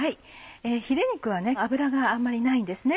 ヒレ肉は脂があんまりないんですね。